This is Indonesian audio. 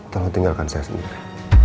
tolong tinggalkan saya sendiri